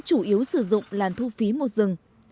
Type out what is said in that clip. chủ yếu sử dụng làn thu phí một dừng